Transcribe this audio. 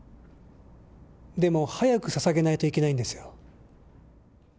でも早くささげないといけないんですよ。